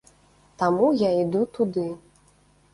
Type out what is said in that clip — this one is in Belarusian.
Таму я іду туды.